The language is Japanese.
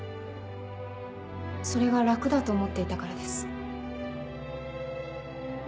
それが楽だと思っていたからです。